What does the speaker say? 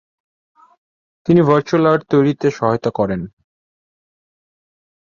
তিনি virtual earth তৈরীতে সহায়তা করেন।